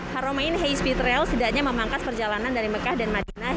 haramain high speed rail sedangnya memangkas perjalanan dari mekah dan madinah